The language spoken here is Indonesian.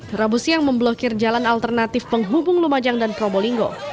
prabu siang memblokir jalan alternatif penghubung lumajang dan prabu linggo